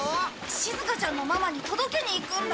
しずかちゃんのママに届けに行くんだ。